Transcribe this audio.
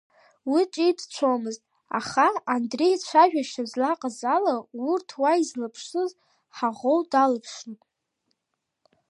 Уи ҿиҭцәомызт, аха, Андреи ицәажәашьа злаҟаз ала, урҭ уа излаԥшыз ҳаӷоу далаԥшрын.